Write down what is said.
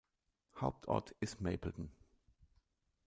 Hauptort ist Mapleton.